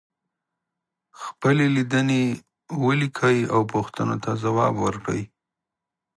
خپلې لیدنې ولیکئ او پوښتنو ته ځواب ورکړئ.